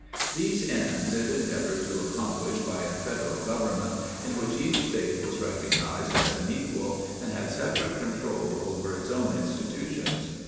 These ends it endeavored to accomplish by a Federal Government, in which each State was recognized as an equal, and had separate control over its own institutions.